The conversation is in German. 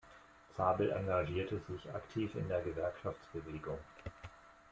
Zabel engagierte sich aktiv in der Gewerkschaftsbewegung.